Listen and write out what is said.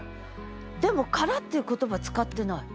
でも「殻」っていう言葉使ってない。